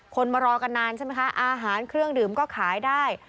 มารอกันนานใช่ไหมคะอาหารเครื่องดื่มก็ขายได้